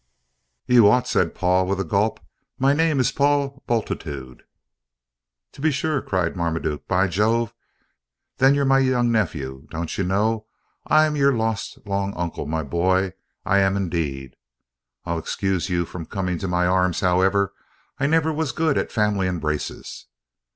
"You ought," said Paul, with a gulp. "My name is Paul Bultitude!" "To be sure!" cried Marmaduke. "By Jove, then, you're my young nephew, don't you know; I'm your long lost uncle, my boy, I am indeed (I'll excuse you from coming to my arms, however; I never was good at family embraces).